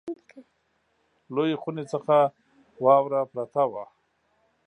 لویې خونې څخه واوره پرته وه.